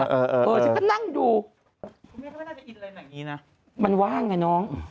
เออฉันก็นั่งดูมันว่างไงน้อง